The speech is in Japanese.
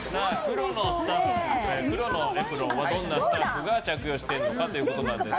黒のエプロンはどんなスタッフが着用しているのかということなんですけれども。